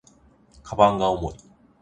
鞄が重い